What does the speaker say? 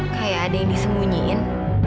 kayak ada yang disemunyiin